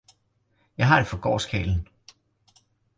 Jeg har det fra gårdskarlen